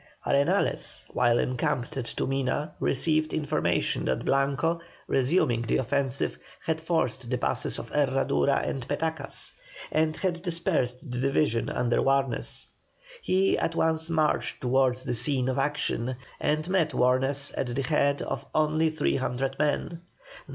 Arenales, while encamped at Tumina, received information that Blanco, resuming the offensive, had forced the passes of Herradura and Petacas, and had dispersed the division under Warnes. He at once marched towards the scene of action, and met Warnes at the head of only three hundred men.